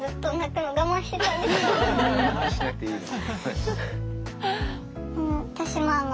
我慢しなくていいの。